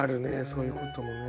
そういうこともね。